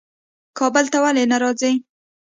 کابل ته ولي نه راځې؟